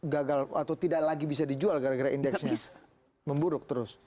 gagal atau tidak lagi bisa dijual gara gara indeksnya memburuk terus